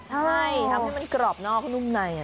ใช่ทำให้มันกรอบนอกนุ่มใน